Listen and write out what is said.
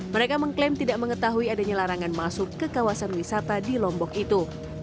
mereka mengklaim tidak mengetahui adanya larangan masuk ke kawasan wisata di lombok itu